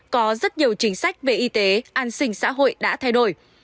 có rất nhiều chính sách về y tế an sinh xã hội đã thay đổi